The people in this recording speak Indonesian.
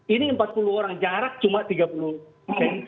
ini empat puluh orang jarak cuma tiga puluh persen